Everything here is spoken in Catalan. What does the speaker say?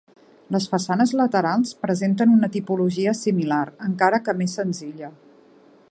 Les façanes laterals presenten una tipologia similar, encara que més senzilla.